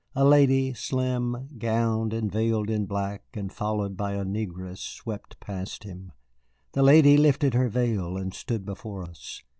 A lady, slim, gowned and veiled in black and followed by a negress, swept past him. The lady lifted her veil and stood before us.